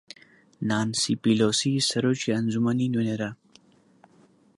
نانسی پیلۆسی سەرۆکی ئەنجومەنی نوێنەران